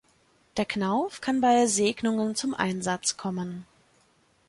Der Knauf kann bei Segnungen zum Einsatz kommen.